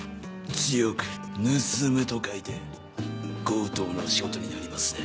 「強く盗む」と書いて強盗のお仕事になりますね。